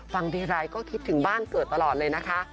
ฟังทีไรก็คิดถึงบ้านเกิดตลอดเลยนะคะ